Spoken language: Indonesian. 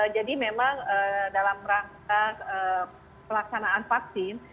jadi memang dalam rangka pelaksanaan vaksin